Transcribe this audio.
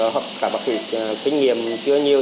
hoặc bác sĩ kinh nghiệm chưa nhiều